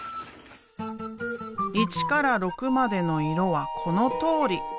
１から６までの色はこのとおり。